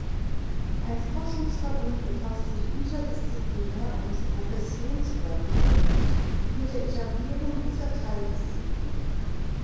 Ein Forschungsverbund befasst sich interdisziplinär und professionsübergreifend mit der Etablierung dieser Teildisziplin.